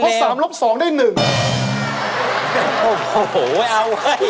แล้วเวลา๓ให้ได้๒